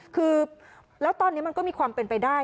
คือแล้วตอนนี้มันก็มีความเป็นไปได้